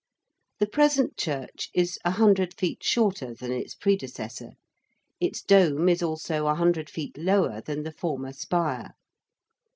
The present church is 100 feet shorter than its predecessor: its dome is also 100 feet lower than the former spire.